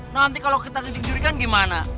nanti kalau kita kejungjuri kan gimana